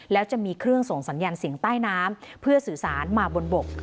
แล้วจะมีเครื่องส่งสัญญาณเสียงใต้น้ำเพื่อสื่อสารมาบนบก